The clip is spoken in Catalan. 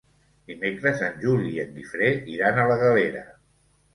Dimecres en Juli i en Guifré iran a la Galera.